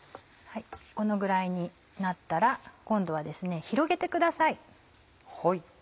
このぐらいになったら今度は広げてください。